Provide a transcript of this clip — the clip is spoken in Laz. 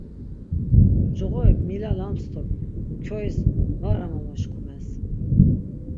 Coğorik milalams do kyois var amamoşkumes.